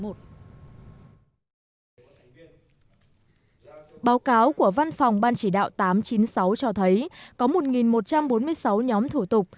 báo cáo của văn phòng ban chỉ đạo tám trăm chín mươi sáu cho thấy có một một trăm bốn mươi sáu nhóm thủ tục